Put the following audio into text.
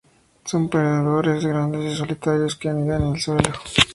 Son predadores grandes y solitarios que anidan en el suelo.